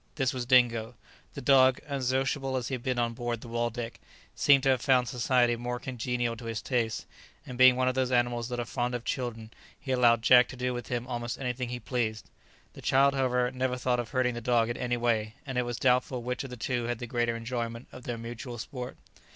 This was Dingo. The dog, unsociable as he had been on board the "Waldeck," seemed to have found society more congenial to his tastes, and being one of those animals that are fond of children, he allowed Jack to do with him almost anything he pleased. The child, however, never thought of hurting the dog in any way, and it was doubtful which of the two had the greater enjoyment of their mutual sport.